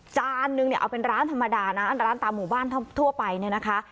จานนึงเนี่ยเอาเป็นร้านธรรมดานะร้านตามหมู่บ้านทั่วไปเนี่ยนะคะ